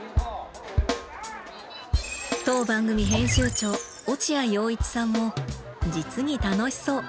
当番組編集長落合陽一さんも実に楽しそう。